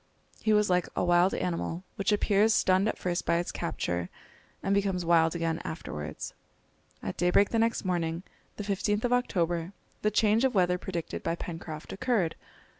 He was like a wild animal, which appears stunned at first by its capture, and becomes wild again afterwards. At daybreak the next morning, the 15th of October, the change of weather predicted by Pencroft occurred.